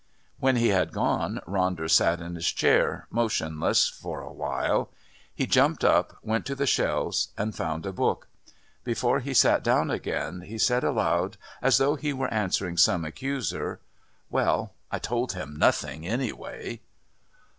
When he had gone Ronder sat in his chair, motionless, for a while; he jumped up, went to the shelves, and found a book. Before he sat down again he said aloud, as though he were answering some accuser, "Well, I told him nothing, anyway."